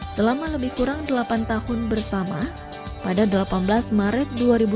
selama lebih kurang delapan tahun bersama pada delapan belas maret dua ribu dua puluh